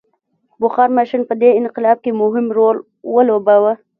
بخار ماشین په دې انقلاب کې مهم رول ولوباوه.